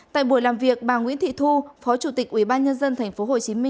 tại buổi làm việc bà nguyễn thị thu phó chủ tịch ubnd tp hcm